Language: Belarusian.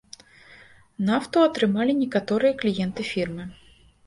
Нафту атрымалі некаторыя кліенты фірмы.